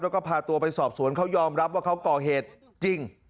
แล้วก็พาตัวไปสอบสวนเขายอมรับว่าเขาก่อเหตุจริง